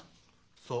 そう。